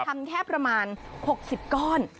ทำแค่ประมาณ๖๐ก้อน